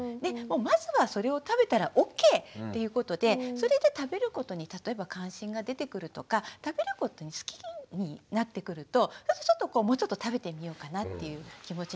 まずはそれを食べたらＯＫっていうことでそれで食べることに例えば関心が出てくるとか食べることを好きになってくるともうちょっと食べてみようかなっていう気持ちになりますよね。